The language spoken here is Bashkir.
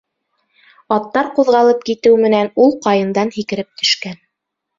Аттар ҡуҙғалып китеү менән ул ҡайындан һикереп төшкән.